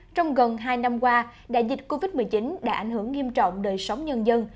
trong gần hai năm qua đại dịch covid một mươi chín đã ảnh hưởng nghiêm trọng đời sống nhân dân